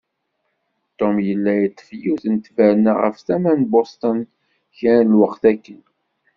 Tom yella yeṭṭef yiwet n ttberna ɣer tama n Bosten kra n lweqt akken.